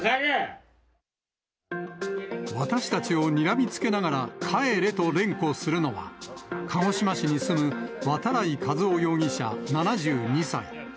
私たちをにらみつけながら帰れと連呼するのは、鹿児島市に住む渡来和雄容疑者７２歳。